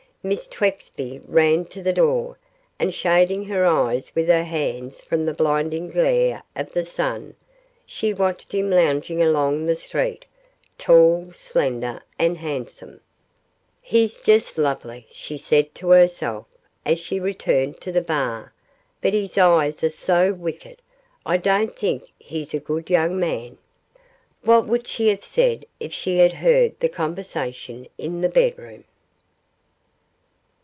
Miss Twexby ran to the door, and shading her eyes with her hands from the blinding glare of the sun, she watched him lounging along the street, tall, slender, and handsome. 'He's just lovely,' she said to herself, as she returned to the bar 'but his eyes are so wicked; I don't think he's a good young man.' What would she have said if she had heard the conversation in the bedroom?